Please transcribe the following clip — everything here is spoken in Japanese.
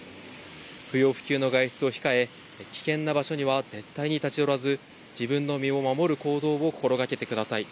不要不急の外出を控え、危険な場所には絶対に立ち寄らず、自分の身を守る行動を心掛けてください。